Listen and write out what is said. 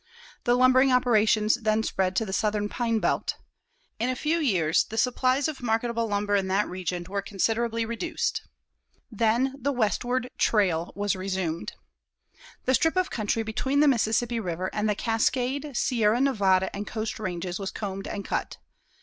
The lumbering operations then spread to the southern pine belt. In a few years the supplies of marketable lumber in that region were considerably reduced. Then the westward trail was resumed. The strip of country between the Mississippi River and the Cascade, Sierra Nevada and Coast Ranges was combed and cut.